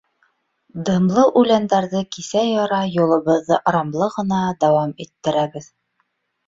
Дымлы үләндәрҙе кисә-яра юлыбыҙҙы ырамлы ғына дауам иттерәбеҙ.